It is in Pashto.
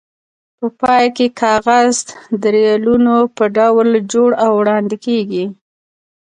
په پای کې کاغذ د ریلونو په ډول جوړ او وړاندې کېږي.